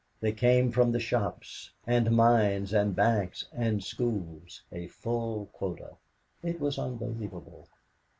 They came from the shops and mines and banks and schools a full quota. It was unbelievable.